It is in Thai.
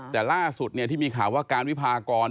แต่ล่าสุดที่มีข่าวว่าการวิพากร